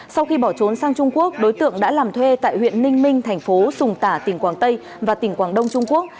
sau khi bỏ trốn sang trung quốc đối tượng đã làm thuê tại huyện ninh minh thành phố sùng tả tỉnh quảng tây và tỉnh quảng đông trung quốc